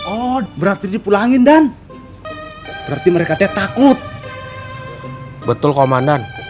oh berarti dipulangin dan berarti mereka takut betul komandan